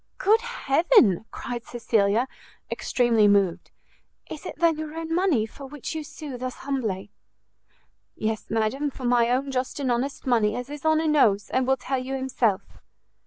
"Good heaven!" cried Cecilia, extremely moved, "is it then your own money for which you sue thus humbly?" "Yes, madam, for my own just and honest money, as his honour knows, and will tell you himself."